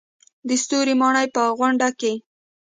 د ستوري ماڼۍ په غونډه کې.